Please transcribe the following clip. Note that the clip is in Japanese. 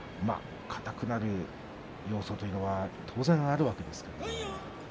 硬くなる要素というのは当然あるわけです。